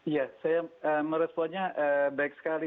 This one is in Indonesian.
ya saya meresponnya baik sekali